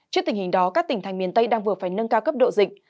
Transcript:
trước tình hình đó các tỉnh thành miền tây đang vừa phải nâng cao cấp độ dịch